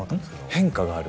変化がある？